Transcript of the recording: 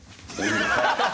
ハハハハ！